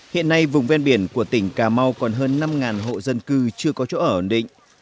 hiện nay vùng ven biển của tỉnh cà mau còn hơn năm hộ dân cư chưa có chỗ ở ổn định